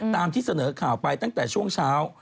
ตามที่เสนอข่าวไปตั้งแต่ช่วงเช้า